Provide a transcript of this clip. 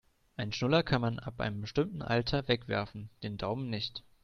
Einen Schnuller kann man ab einem bestimmten Alter wegwerfen, den Daumen nicht.